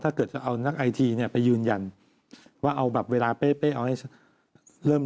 ถ้าเกิดจะเอานักไอทีไปยืนยันว่าเอาเวลาเป๊ะเดี้ยว